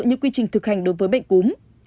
như quy trình thực hành đối với bệnh cúm